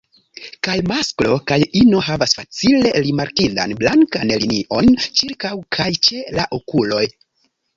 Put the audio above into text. Kaj masklo kaj ino havas facile rimarkindan blankan linion ĉirkaŭ kaj ĉe la okuloj.